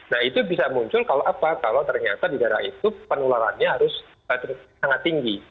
nah itu bisa muncul kalau apa kalau ternyata di daerah itu penularannya harus sangat tinggi